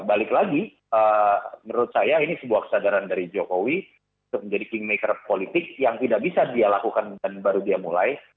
dan balik lagi menurut saya ini sebuah kesadaran dari jokowi untuk menjadi king maker politik yang tidak bisa dia lakukan dan baru dia mulai